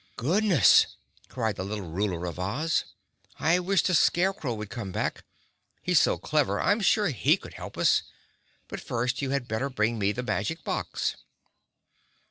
"Goodness!" cried the little Ruler of Oz. "I wish the Scarecrow would come back. He's so clever I'm sure he could help us; but first you had better bring me the magic box."